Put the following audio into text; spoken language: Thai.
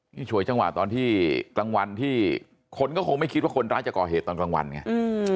นี่ฉวยจังหวะตอนที่กลางวันที่คนก็คงไม่คิดว่าคนร้ายจะก่อเหตุตอนกลางวันไง